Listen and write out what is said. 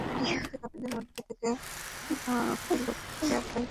পৃথিবীতে কাফিরদের মধ্য থেকে কোন ঘরের লোককে অব্যাহতি দিও না।